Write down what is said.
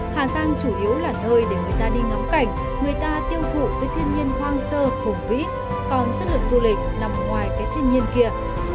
hà giang chủ yếu là nơi để người ta đi ngắm cảnh người ta tiêu thụ với thiên nhiên hoang sơ hùng vĩ còn chất lượng du lịch nằm ngoài cái thiên nhiên kia